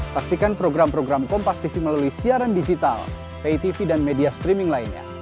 saksikan program program kompas tv melalui siaran digital pay tv dan media streaming lainnya